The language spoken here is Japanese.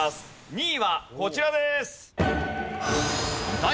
２位はこちらです。